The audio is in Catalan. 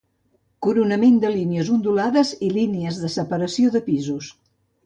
Coronament de línies ondulades i línies de separació de pisos.